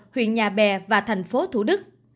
huyện nhà bè và tp thủ đức